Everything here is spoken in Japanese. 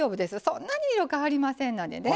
そんなに色変わりませんのでね。